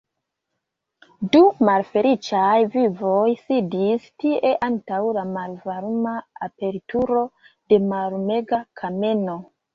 Du malfeliĉaj vivoj sidis tie antaŭ la malvarma aperturo de mallumega kameno.